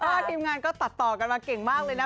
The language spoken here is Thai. ทีมงานก็ตัดต่อกันมาเก่งมากเลยนะ